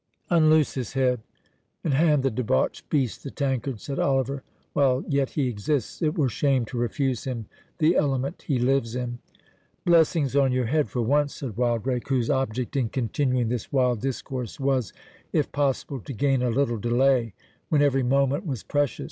"Unloose his head, and hand the debauched beast the tankard," said Oliver; "while yet he exists, it were shame to refuse him the element he lives in." "Blessings on your head for once," said Wildrake, whose object in continuing this wild discourse was, if possible, to gain a little delay, when every moment was precious.